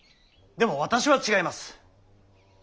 でも私は違います。